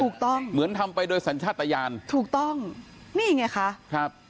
ถูกต้องเหมือนทำไปโดยสัญชาติอาญาณถูกต้องนี่ไงค่ะครับ